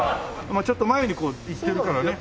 ちょっと前にこういってるからね。